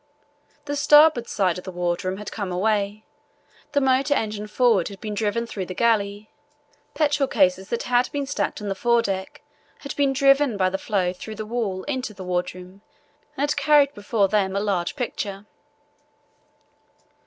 The starboard side of the wardroom had come away. The motor engine forward had been driven through the galley. Petrol cases that had been stacked on the fore deck had been driven by the floe through the wall into the wardroom and had carried before them a large picture.